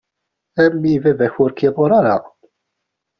A mmi baba-k ur k-iḍur ara.